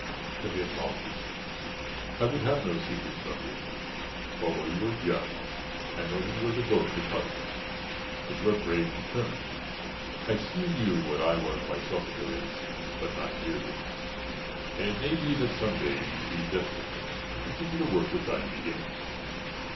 "Come in, Malchus, I would have no secrets from you. Although you are young I know that you are devoted to Carthage, that you are brave and determined. I see in you what I was myself at your age, but nine years ago, and it may be that some day you will be destined to continue the work which I am beginning.